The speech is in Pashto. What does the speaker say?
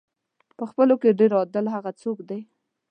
په خپلو کې ډېر عادل هغه څوک دی.